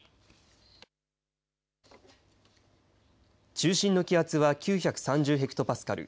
中心の気圧は９３０ヘクトパスカル。